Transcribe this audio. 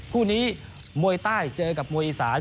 คู่นี้มวยใต้เจอกับมวยอีสาน